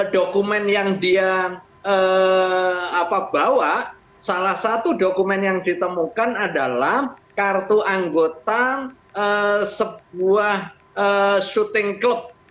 dokumen yang dia bawa salah satu dokumen yang ditemukan adalah kartu anggota sebuah syuting klub